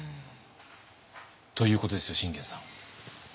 ということですよ信玄さん。